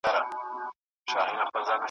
پر جنډۍ د شهیدانو سیوری نه وی د مغلو `